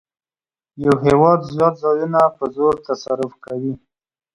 یو هېواد زیات ځایونه په زور تصرف کوي